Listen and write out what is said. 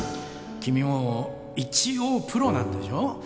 君も一応プロなんでしょう？